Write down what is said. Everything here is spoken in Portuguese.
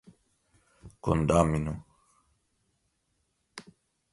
condômino